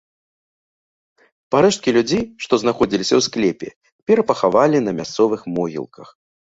Парэшткі людзей, што знаходзіліся ў склепе, перапахавалі на мясцовых могілках.